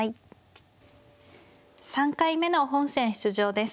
３回目の本戦出場です。